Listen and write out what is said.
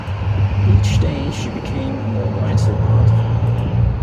Each day she became a more vital part of him.